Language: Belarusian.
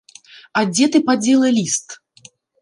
А дзе ты падзела ліст?